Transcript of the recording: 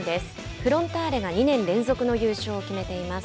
フロンターレが２年連続の優勝を決めています。